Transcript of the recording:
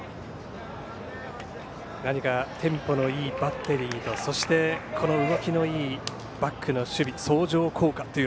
テンポのいいバッテリーとそして、この動きのいいバックの守備。